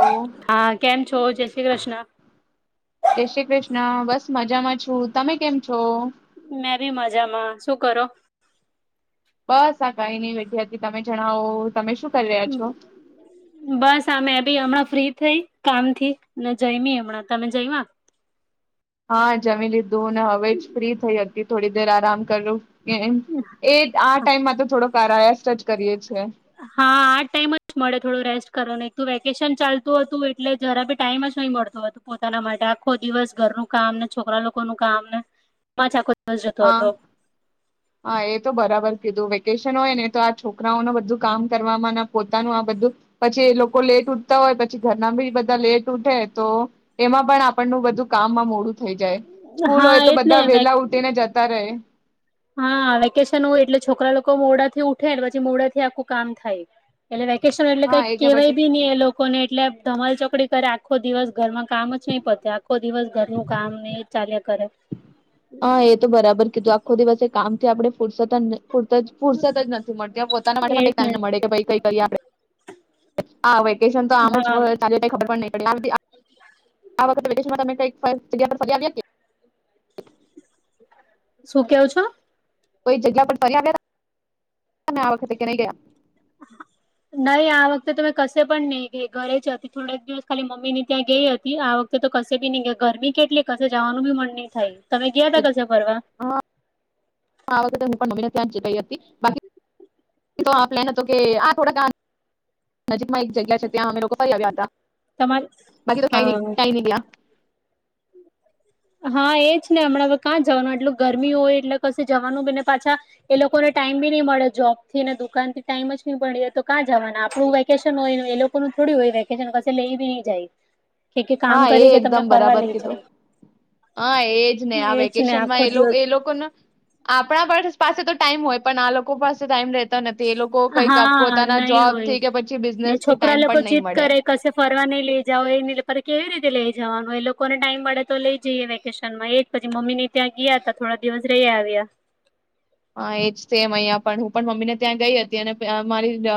લો હા કેમ છો જે જય શ્રી કૃષ્ણ. બસ મજામાં છું તમે કેમ છો? મેં બી મજામાં શું કરો? બસ આ કઈ નઈ વેઠી હતી તમે જણાવો તમે શું કરી રહ્યા છો બસ આમે ભી હમણાં ફ્રી થઈ કામથી, ને જઈમી હમણાં તમે જયમા? હા જમી લીધું હવે જ ફ્રી થઈ હતી થોડી દેર આરામ કરું. એ આ ટાઈમમાં તો થોડોક કારાયા સ્ટચ કરીએ છીએ. હા આ ટાઈમ જ મળે થોડું રેસ્ટ કરવાનું એક વેકેશન ચાલતું હતું એટલે જરા બી ટાઈમ જ ન મળતો હતું પોતાના માટે આખો દિવસ ઘરનું કામ ને છોકરા લોકો નું કામ ને, આખ હ જતો હા હતો. હા એ તો બરાબર કીધું વેકેશન હોય ને તો આ છોકરાઓનું બધું કામ કરવાવામાં પોતાનું આ બધું, પછી એ લોકો લેટ ઉઠતા હોય પછી ઘરના બી બધા લેટ ઉઠે તો, એમાં પણ આપણનું બધું કામમાં મોડું થઈ જાય. સ્કૂલ હા હોય તો એજ ને બધા વેલા ઉઠી ને જતા રહે. હા વેકેશન હોય એટલે છોકરા લોકો મોડાથી ઉઠે પછી મોડાથી આખું કામ થાય, એટલે ક્યુએશન એટલે હા કઈ કેહેવાય પછી બી નહી એ લોકોને એટલે ધમાલ ચોકડી કરે આખો દિવસ ઘરમાં કામ જ નહી પતે આખો દિવસ ઘરનું કામ ને એ ચાલ્યા કરે હા, એ તો બરાબર કીધું આખો દિવસે એક કામથી આપડે ફુરસત જ ન ફુરત જ ફુરસત જ નથી મળતી પોતાના માટે એજ પણ ને ટાઈમ ન મળે કે ભાઈ કઈ કરીઈ આપ આ હવે કેશન તો આમ જ હા વ ચાલી જાય ખબર જ નહીં [unintelligible] આપ આ વખતે વેકેશનમાં તમે કઈક કોઈક જગ્યા પર ફરી આવ્યા કે? શું કેવ છો? કોઈ જગ્યા પર ફરી આવ્યા [inaudible] આ વખતે કે નહી ગયા? નહી આ વખતે તો મેં કશે પણ નહી ગઈ ઘરે જ હતી થોડક દિવસ ખાલી મમ્મીની ત્યાં ગઈ હતી આ વખતે તો કશે ભી નહિં ગયા ગરમી કેટલી કશે જવાનું ભી મન નહી થાય. તમે ગયા તા કશે ફરવા? હા હું પણ આ વખતે મમ્મીને ત્યાં જ ગઈ હતી. ગઈ હતી બાકી તો આ પ્લેન હતો કે આ થોડાક આ નજીકમાં એક જગ્યા છે ત્યાં અમે લોકો ફરી આવ્યા હતા તમારે બાકી તો કયાય હા ક્યાય ની ગયા. હા એ જ ને હમણાં કાં જવાનું એટલું ગરમી હોય એટલે કશે જવાનું બી ને પાછા એ લોકોને ટાઈમ બી નહી મળે જોબ થી ને દુકાન થી ટાઈમ જ નહી મળી રે તો કાં જવાના આપણું વેકેશન હોય એ લોકોનું થોડું હોય વેકેશન કશે લેઈ બી ની જાય. કે કે કામ હા એ કરીએ કે તમને એકદમ ફરવા બરાબર લેય કીધું જાય. હા એજ ને આ એજ ને આખો વેકેશનમાં એ દિવસ એ લોકોના આપણા પાસે તો ટાઈમ હોય પણ આ લોકો પાસે ટાઈમ રહેતો નથી. એ લોકો કંઈક આપ- હા પોતાના નહી હોય જોબથી કે પછી ને બિઝનેસથી છોકરા ટાઈમ લોકો પણ નહીં જીદ મળે કરે કશે ફરવા નઈ લઈ જાવ એ નહીં પર કેવી રીતે લેઈ જવાનું એ લોકોને ટાઈમ મળે તો લઈ જઈએ વેકેશનમાં એ જ પછી મમ્મી ને ત્યાં ગીયા તા થોડા દિવસ રહી આવ્યા. હા એજ સેમ અહિયા પણ હું પણ મમ્મીને ત્યાં ગઈ હતી અને પ અમારી અ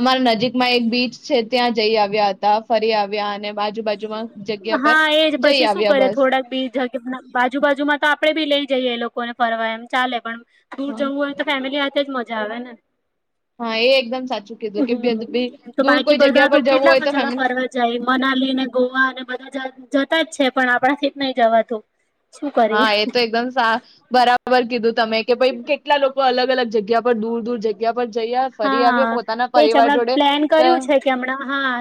અમારા નજીક માં એક બીચ છે ત્યાં જઈ આવ્યા હતા ફરી આવ્યા અને આજુબાજુમાં જગ્યા પર હા એજ જઈ પછી શું આવ્યા કરે બસ થોડાક બી જગ બાજુબાજુમાં તો આપડે ભી લઈ જઈએ એ લોક કોને ફરવા એમ ચાલે પણ દૂર હા જવું હોય તો ફેમિલી હાથે જ મ જાવેને. હા એ એકદમ સાચું કીધું કે બે હમ તો દૂર બાકી કોઈ બધા જગ્યા પર જવું કેટલા હોય તો ફેમ જગા ફરવા જાય મનાલી ને ગોવા અને બ બધા જતા જ છે પણ આપણા થી જ નહીં જવાતું. શું કરીએ હા એ તો એકદમ સા બરાબર કીધું તમે કે ભઈ કેટલા લોકો અલગ અલગ જગ્યા પર દૂર દૂર જગ્યા પર જયા ફરી હા આવ્યા પોતાના એજ પરિવાર હમણાં જોડે પ્લેન અ કર્યું છે કે હમણાં આ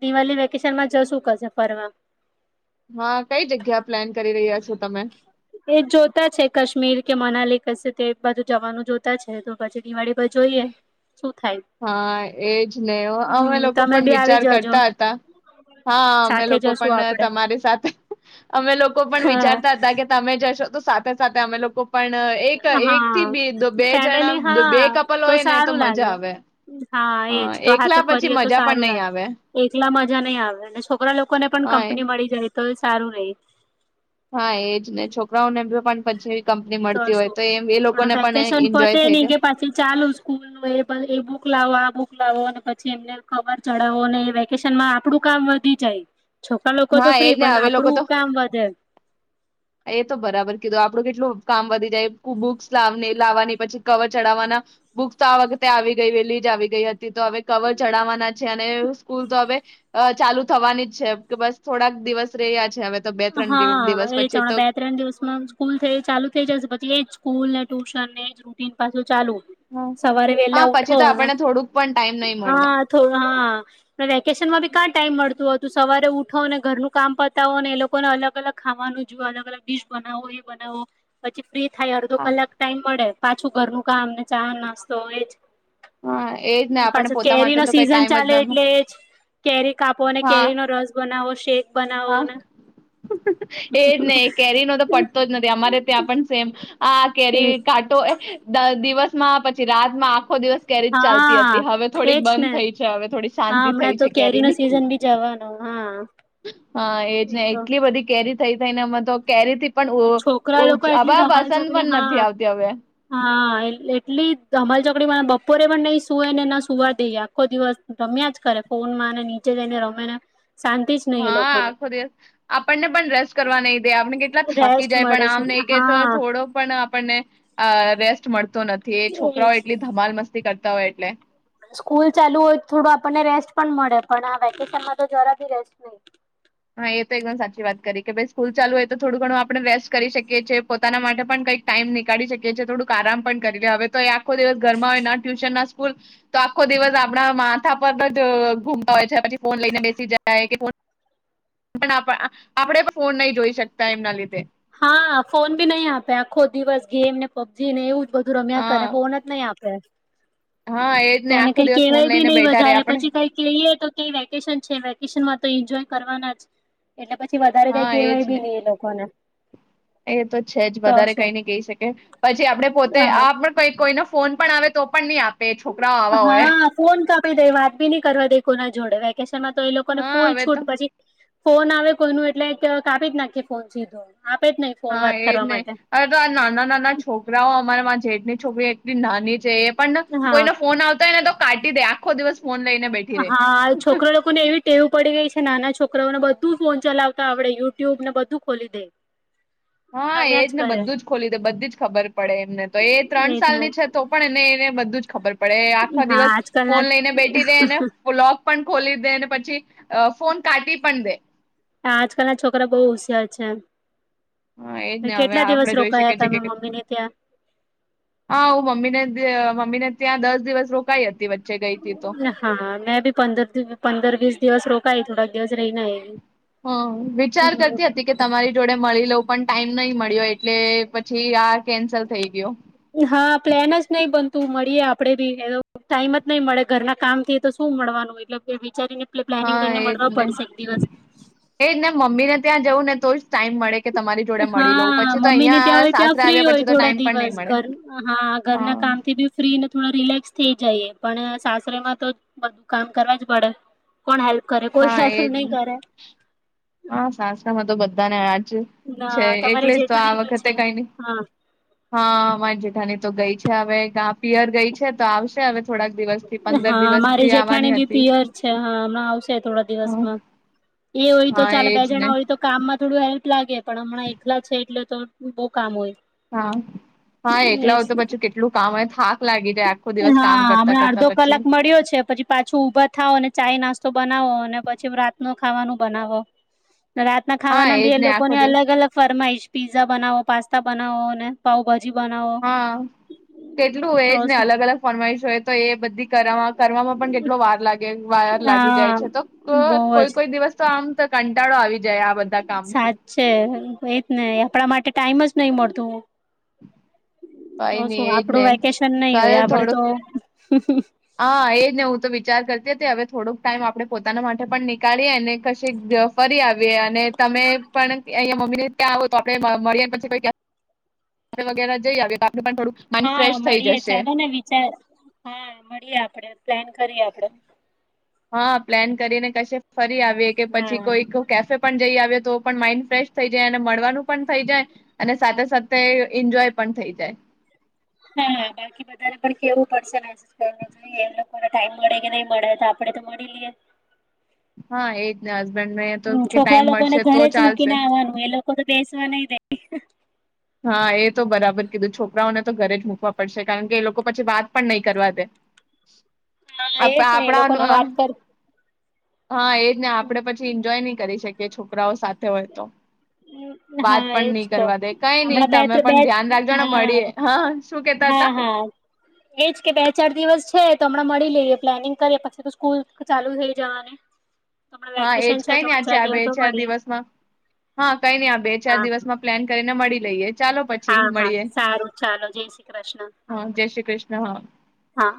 દિવાળી વેકેશન માં જશું કશે. ફરવા. હા, કઈ જગ્યા પ્લાન કરી રહ્યા છો તમે? એ જોતા છે કાશ્મીર કે મનાલી કશે તે બાજુ જવાનું જોતા છે તો પછી દિવાળી બા જોઈએ શું થાય. હા, એજ ને અહ અમે હમ લોકો તમે પણ બી આવી વિચાર જજો કરતા હતા. હા અમે સાથે લોકો જશું પણ આપડે તમારી સાથે અમે લોકો પણ હા વિચારતા હતા કે તમે જશો તો સાથે સાથે અમે લોકો પણ અહ એક એક થી હા બે જણા ફેમિલી બે હા કપલ હોય ને તો સારું મજા લાગે આવે. હા, એજ તો હાથે એકલા પછી ફરીએ તો મજા પણ સારું નહી આવે લાગે એકલા મજા નહી આવે અને છોકરા લોકો ને પણ હા કંપની મળી જાય. તો એ સારું રહી. હા, એજ ને છોકરાઓ ને ભી પણ પછે તો શું પણ વેકેશન એન્જોય પતે થઈ નહી જાય કે પાછી ચાલુ સ્કૂલ નો એ એ બુક લાવો આ બુક લાવો અને પછી એમને ખબર ચડાવો અને એ શનમાં આપડું કામ વધી જાય. છોકરા લોકો તો હા એજ ફ્રી ને પણ હવે લોકો આપડું તો, કામ વધે એ તો બરાબર કીધું આપડું કેટલું કામ વધી જાય બુક્સ લાવ લાવવાની પછી કવર ચડાવવાના, બુક્સ તો આ વખતે આવી ગઈ વેલી જ આવી ગઈ હતી તો હવે કવર ચડાવવાના છે અને સ્કૂલ તો હવે, ચાલુ થવાની જ છે કે બસ થોડાક દિવસ રેય હા એ જ હમણાં બે ત્રણ દિવસમાં સ્કૂલ થઈ ચાલુ થઇ જશે પછી એજ. સ્કૂલ ને ટ્યુશન ને જ રૂન પાસે ચાલુ, હા સવારે વેલા પછી ઉઠો તો આપણને થોડુંક પણ ટાઈમ નહી મળે હા થોડ હા વેકેશનમાં ભી કા ટાઈમ મળતું હતું સવારે ઉઠો ને ઘરનું કામ પતાવો ને એ લોકો લોકોને અલગ અલગ ખાવાનું જો અલગ અલગ ડિશ બનાવો એ બનાવો, પછી ફ્રી થાય અડધો હા કલાક ટાઈમ મળે. પાછું ઘરનું કામને ચાહ નાસ્તો હો એ જ. હા એજ ને આપણને પાછો પોતા કેરી માટે નો તો કઈ સીઝન ટાઈમ ચાલે જ ન એટલે જ કેરી કાપો અને હા કેરીનો રસ બનાવો. છે. હા બનાવો ને. એજ નહ કેરીનો તો પડતો જ નથી અમારે ત્યાં પણ સેમ. હ કેરી એજ કાટો એ દિવસ પછી રાતમાં આખો દિવસ કેરી જ ચાલતી હા હતી હવે થોડીક એજ ને બંધ થઈ છે હવે થોડી હા શાંતિ હમણાં થઈ તો છે કેરી નો કેરીની. સિઝન બી જવાનો હા હા એજ એ ને તો એટલી બધી કે રી થઈ થઈ ને મ તો કેરીથી પણ છોકરા લોકો હવે એટલી ધમાલ વસંત ચકડી પણ નથી હા આવતી હવે. હા એટલી અમાલ ચકડીને બપોરે પણ નઈ સુય ને ના સુવા દઈએ આખો દિવસ રમ્યા જ કરે ફોનમાં અને નીચે જઈને રમે ને. શાંતિ જ નહી એ હા લોકોને આખો દિવસ, આપણને પણ રસ કરવા નહી દે આપણે કે પ થાકી રેસ્ટ જાય મળે પણ છે આમ નહી કે તો હા થોડો પણ આપણને, રેસ્ટ મળતો નથી. એ છોકરાઓ એટલી ધમાલ કરતા હોય એટલે. સ્કૂલ ચાલુ હોય તો થોડું આપણને રેસ્ટ પણ મળે પણ આ વેકેશનમાં તો જરા બી રેસ્ટ નહી. હા એ તો એકદમ સાચી વાત કરી કે ભાઈ સ્કૂલ ચાલુ હોય તો થોડું ઘણું આપણે રેસ્ટ કરી શકીએ છીએ પોતાના માટે પણ કંઈક ટાઈમ નીળી શકીએ છીએ થોુંક આરામ પણ કરી લે હવે તો ખ દિવસ ઘરમાં હોય ટ્યુશન ના ૂલ, તો આખો દિવસ આપણા માથા પર જ ઘુમતા હોય છે પછી ફોન લઈને બેસી જાય કે ફ પણ આપણેે પણ ફોન નહી જોઈ શકતા એમના લીધે. હા ફોન બી નહી આપે આખો દિવસ ગેમ ને પબજી ને એવું જ. બધું રમ્યા કરે હા ફોન જ નહી આપે. હા એજ ને તોને આખો કઈ દિવસ ફોન કેવાય બી લઈને નહી બેઠા રે વધારે આપણે પછી કઈ કહીય તો કે વેકેશન છે વેકેશન માં તો એન્જોય કરવાના જ. એટલે પછી વધારે કઈ હા એજ કેવાય બી ને નહી એ લોકોને. એ તો છે જ તો વધારે કઈ શું ન કઈ શકે પછી આપડે પોતે આપ ને હ કોઈ કોઈનો ફોન પણ આવે તો પણ નહીં આપ હા, ફોન કર પર દે વાત બી નહી કરવા દે કોના જોડે વેકે શન માં તો એ લોકો ને હા ફૂલ હવે તો છૂટ પછી ફોન આવે કોઈ નું એટલે કાપી જ નાખી ફોન સીધો. આપે જ નહી ફોન હા, વાત એજ કરવા ને માટે અરે તો આ નાના નાના છોકરાઓ અમારા માં જે ની છોકરી એકટલી નાની છે એ પણ ન હા કોઈનો ફોન આવતો હોયને તો કાટી દે આખો દિવસ ફોન લઈને બેઠી રે હા, છોકરા લોકો ને એવી ટેવ પડી ગઈ છે નાના છોક રોને બધું ફોન ચલાવતા આવડે યુટ્યુબ ને બધું ખોલી દે. હા, રમ્યા એજ જ ને કરે બધું જ ખોલી દે બધી જ ખબર પડે એમને તો એ ત્રણ સાલ ની છે તો પણ એને એને બધું જ ખબર આપડે આખો હા દિવસ, આજકાલના ફોન લઈને બેઠી રે નેલોગ પણ ખોલી દેને પછી અ ફોન કાઢી પણ દે. આજકાલ ના છોકરા બહુ હોશિયાર છે. હા એજ ને હવે કેટલા દિવસ આપડે જોઈ શકીએ રોકાયા છીએ તમે કે મમ્મી ને ત્યાં હા હું મમ્મીને જ મમ્મીને ત્યાં દસ દિવસ રોકાઈ હતી વચ્ચે ગઈ હતી તો હા મેં ભી પંદર પંદર વીસ દિવસ રોક કઈ થોડા દિવસ રહીને એ. હમ વિચાર કરતી હતી કે તમારી જોડે મળી લઉ. પણ ટાઈમ નહી મળ્યો એટલે પછી આ કેન્સલ થઈ ગયો. હા પ્લેન જ નહી બનતું મળીએ આપડે બી ટાઈમ જ નહી મળે ઘરના કામ થી તો શું મળવાનું એટલે વિચારીને પ્લાનિંગ હા કરીને એજ મળવા ને, પડશે એક દિવસ એજ ને મમ્મી ને ત્યાં જવું ને તો જ ટાઈમ મળે. કે તમારી જોડે મળી લઉં હા પછી તો મમ્મી ને ત્યાં અહિયાં હ ત્યાં સાસરે ફ્રી આવ્યા હોય પછી તો થોડા ટાઈમ પણ દિવસ નહી મળે ઘર હા ઘરના કામ થી બી ફ્રીને થોડા રિલેક્સ થઈ જઈએ, પણ સાસરેમાં તો બધું કામ કરવા જ પડે, કોણ હેલ્પ કરે કોઈ શસ એજ નહી ને. કરે. હા સાસ્ત્રા માં તો બધા નેજ આજ ના છે તમારી એટલે જ તો આ જેઠાણી વખતે છે કઈ નહી હા હા માય જેઠાની તો ગઈ છે. હવે ગ પિયર ગઈ છે તો આવશે હવે થોડાક દિવસ થી પંદર હા દિવસ મારી થી આવવાની જેઠાણી બી હતી પિયર છે હા હમણા આવશે થોડા હા દિવસમાં એ હોય તો હા ચાલ બે એજ ને જણા હોય તો કામ માં થોડું હેલ્પ લાગે. પણ હમણાં એકલા છે એટલે તો. બહુ કામ હોય હા હા એકલા હોય તો પછી કેટલું કામ હો. હા હમણાં અડધો પછી કલાક મળ્યો છે પછી પાછું ઉઊભા થાવ અને ચાાય નાસ્તો બનાવો અને પછી રાતનો ખાવાનું બનાવો. રાતના હા ખાવાના એજ બી એ લોકો આખો ને દિવસ અલગ અલગ ફરમાઈશ પીઝા બનાવો પાસ્તા બનાવો અને પાઉભાજી. બનાવો હા કેટલું તો એજ ને અલગ અલગ ફરમાવીશ હોય તો એ બધી કરવામાં પણ કેટલો વાર લાગે વાયર લાગી જાય હા છે તો બહુ કોઈ કોઈ દિવસ તો આમ તો કંટાળો આવી જાય આ બધા કામથી સાચે એજને આપડા માટે ટાઈમ જ નઈ મળતું. તો કઈ નઈ શું એજ ને આપડું વેકેશન નઈ હોય, ઘરે આપડે તો થોડુંક હા, એજને હું તો વિચાર કર તે જ ને હવે થોડોક ટાઈમ આપણે પોતાના માટે પણ નીકાળીએ અને કશે ફરી આવયે. અને તમે પણ એ મ ક્યાં હોય તો આપડે મરિયે પછીઈ વગેરા જઈ આવયે. હા મળીએે ચાલો ને વિચાર હા. આપડે પ્લેક કરીએ આપડે હા પ્લાન કરીને કશે ફરી આવીએ કે પછી હા કોઈક કેફે પણ જઈ આવ તો પણ માઈન્ડ ફ્રેશ થઈ જાય અને મળવાનું પણ થઈ જાય અને સાથે સાથે એન્જોય પણ થઈ જાય. હા બાકી બધાને પણ કેવું પડશે ને જોઈએ એ લોકોને ટાઈમ મળે કે નહી મળે તો આપડે તો મળી લઈએ. હા એજ ને હસબેન્ડને તો કે છોકરા ટાઈમ લોકોને મળશે તો ઘરે જ મૂકીને ચાલશે. આવવાનું એ લોકો તો બેસવા નય દે. હા, એ તો બરાબર કીધું છોકરાઓને તો ઘરે જ મુકવા પડશે કારણ કે એ લોકો પછી વાત પણ નહીં કરવા દે. હા, આપ એજ ને લોકો ને આપણા વાત કર હા, એ જને આપણે પછી એન્જોય નહી કરી શક કે છોકરાઓ સાથે હોય તો. હા વાત પણ એજ નહી તો કરવા દે. કઈ નહી હમણાં બે તમે ત બે પણ ધ્યાન રાખજો ને હા મળીએ હા શું કેતા હતા? હા હા એજ એજ કે બે ચાર દિ વસ છે તો હમણાં મળી લઈએ પ્લાનિંગ કરીએ પછી તો સ્કૂલ ચાલુ થઈ જવાની. હમણાં હા, એજ વેકેશન કઈ ને ત્રણ ચાર છે આ બે દિવસ તો ચાર મળીએ દિવસમાં હા, કઈ નઈ આ બે ચાર હા દિવસમાં પ્લાન કરીન હા હા સારું ચાલો. જય શ્રી કૃષ્ણ. હા જય શ્રી કૃષ્ણ હા હા.